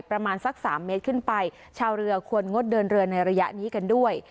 ประมาณสักสามเมตรขึ้นไปชาวเรือควรงดเดินเรือในระยะนี้กันด้วย